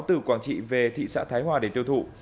từ quảng trị về thị xã thái hòa để tiêu thụ